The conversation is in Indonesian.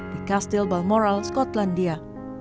di kastil balmoral skotlandia